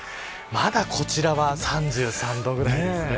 まだ、こちらは３３度ぐらいですね。